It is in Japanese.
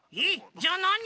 じゃあなに？